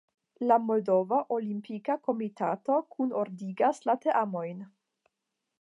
La Moldava Olimpika Komitato kunordigas la teamojn.